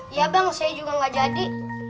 ya bang saya juga gak jadi